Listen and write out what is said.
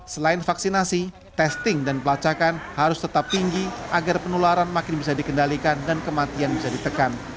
selain vaksinasi testing dan pelacakan harus tetap tinggi agar penularan makin bisa dikendalikan dan kematian bisa ditekan